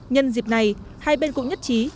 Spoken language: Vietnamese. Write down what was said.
nhân dịp này hai bên cũng nhất trí